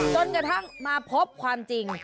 จนกระทั่งมาพบความจริง